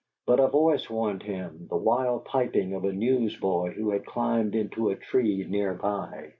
But a voice warned him: the wild piping of a newsboy who had climbed into a tree near by.